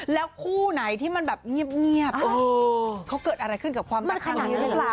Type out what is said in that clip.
แล้วคู่ไหนที่มันแบบเงียบเขาเกิดอะไรขึ้นกับความรักครั้งนี้หรือเปล่า